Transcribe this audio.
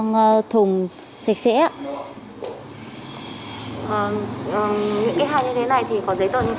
những cái hàng như thế này thì có giấy tờ như thế nào